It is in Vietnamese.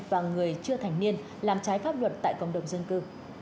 và người chưa thành niên làm trái pháp luật tại cộng đồng dân cư